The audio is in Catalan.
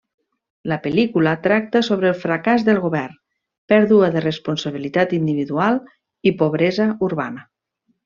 La pel·lícula tracta sobre el fracàs del govern; pèrdua de responsabilitat individual i pobresa urbana.